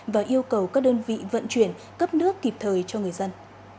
và yêu cầu các đơn vị vận chuyển cấp nước kịp thời cho người dân